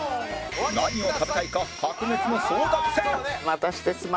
何を食べたいか白熱の争奪戦